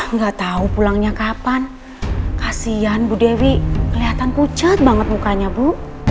nggak tahu pulangnya kapan kasian bu dewi kelihatan pucat banget mukanya bu